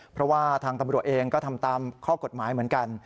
เพราะว่าทางตำรวจเองก็ทำตามข้อกฎหมายเหมือนกัน